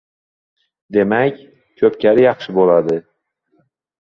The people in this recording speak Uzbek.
Demak, ko‘pkari yaxshi bo‘ladi.